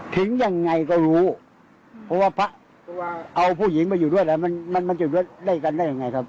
ถึงยังไงก็รู้เพราะว่าพ่อเอาผู้หญิงมาอยู่ด้วยแต่มันมันมันจะอยู่ด้วยได้กันได้ยังไงครับ